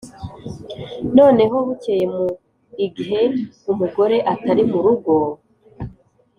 noneho bukeye mu ighe umugore atari mu rugo,